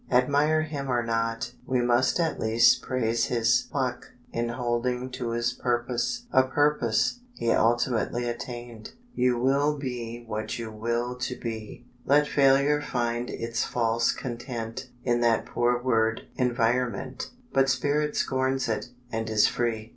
Admire him or not, we must at least praise his pluck in holding to his purpose a purpose he ultimately attained. You will be what you will to be; Let failure find its false content In that poor word "environment," But spirit scorns it, and is free.